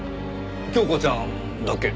杏子ちゃんだっけ？